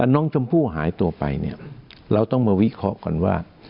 น้องชมพู่หายตัวไปเนี่ยเราต้องมาวิเคราะห์ก่อนว่า